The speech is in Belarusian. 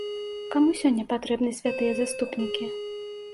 Каму сёння патрэбны святыя заступнікі?